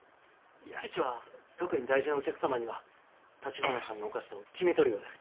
父は特に大事なお客様にはたちばなさんのお菓子と決めとるようです。